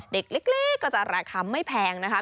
เด็กเล็กก็จะราคาไม่แพงนะคะ